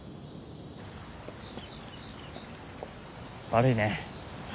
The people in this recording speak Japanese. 悪いね。